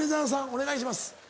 お願いします。